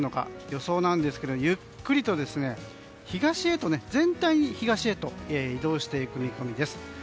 予想なんですけどもゆっくりと全体に東へと移動していく見込みです。